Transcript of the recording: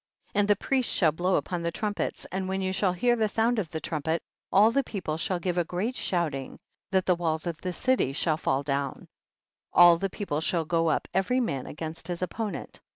15. And the priests shall blow upon trumpets, and when you shall hear the sound of the trumpet, all the people shall give a great shouting, that the w^alls of the city shall fall down ; all the people shall go up every man against his opponent.